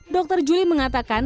dokter julie mengatakan